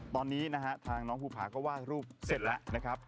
ตอนนี้นะฮะทางน้องภูผาก็ไหว้รูปเสร็จแล้วนะครับ